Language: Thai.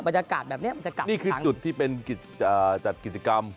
มันจะกลับแบบเนี่ยมันจะกลับทั้งนี่คือจุดที่เป็นจัดกิจกรรม